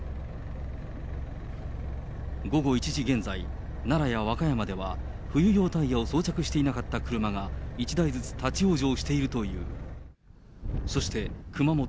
午後１時現在、奈良や和歌山では、冬用タイヤを装着していなかった車が１台ずつ立往生しているという。